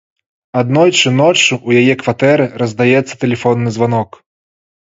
Аднойчы ноччу ў яе кватэры раздаецца тэлефонны званок.